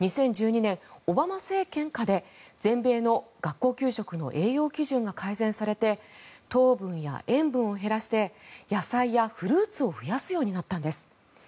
２０１２年、オバマ政権下で全米の学校給食の栄養基準が改善されて糖分や塩分を減らして野菜やフルーツを増やすようになったんです。